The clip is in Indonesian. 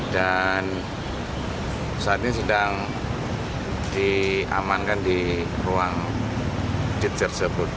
dan saat ini sedang diamankan di ruang jitir sebut